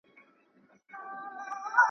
هره ورځ به دي تور مار بچي څارله .